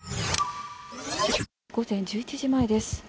午前１１時前です。